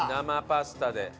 生パスタで。